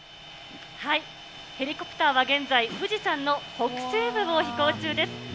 ヘリコプターは現在、富士山の北西部を飛行中です。